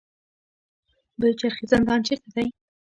پل چرخي زندان چیرته دی؟